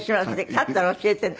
勝ったら教えてね。